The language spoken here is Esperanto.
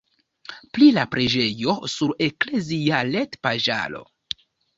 Pri la preĝejo sur eklezia retpaĝaro.